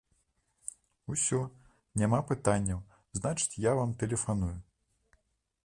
Усё, няма пытанняў, значыць, я вам тэлефаную.